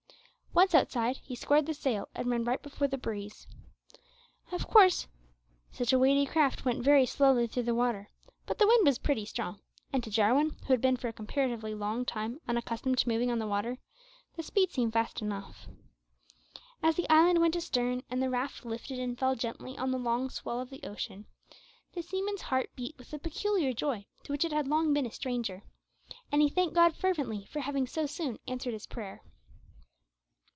Once outside, he squared the sail and ran right before the breeze. Of course such a weighty craft went very slowly through the water, but the wind was pretty strong, and to Jarwin, who had been for a comparatively long time unaccustomed to moving on the water, the speed seemed fast enough. As the island went astern, and the raft lifted and fell gently on the long swell of the ocean, the seaman's heart beat with a peculiar joy to which it had long been a stranger, and he thanked God fervently for having so soon answered his prayer.